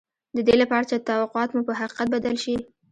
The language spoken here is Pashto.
د دې لپاره چې توقعات مو په حقیقت بدل شي